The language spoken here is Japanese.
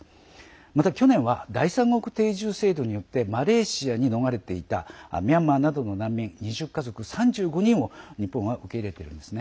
また去年は第三国定住制度によってマレーシアに逃れていたミャンマーなどの難民２０家族３５人を日本は受け入れているんです。